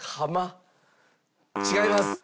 違います！